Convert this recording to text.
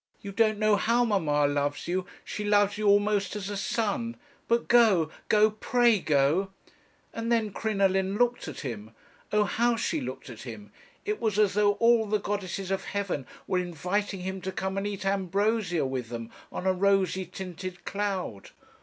You don't know how mamma loves you. She loves you almost as a son. But go go; pray go!' "And then Crinoline looked at him. Oh! how she looked at him! It was as though all the goddesses of heaven were inviting him to come and eat ambrosia with them on a rosy tinted cloud.